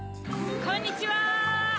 こんにちは。